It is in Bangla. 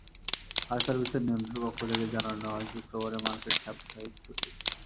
ফায়ার সার্ভিসের নিয়ন্ত্রণ কক্ষ থেকে জানানো হয়, শুক্রবার মার্কেট সাপ্তাহিক ছুটি।